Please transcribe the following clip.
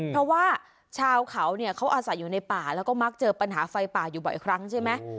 เพราะว่าชาวเขาเนี่ยเขาอาศัยอยู่ในป่าแล้วก็มักเจอปัญหาไฟป่าอยู่บ่อยครั้งใช่ไหม